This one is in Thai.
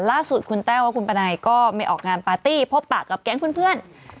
ล่าสุดคุณแต้วกับคุณปะไนก็ไม่ออกงานปาร์ตี้พบปะกับแก๊งเพื่อน